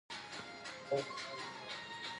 په ادب یې روښانه وساتئ.